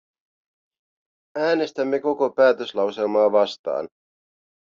Äänestämme koko päätöslauselmaa vastaan.